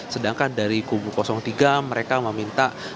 sedangkan dari kubu tiga mereka meminta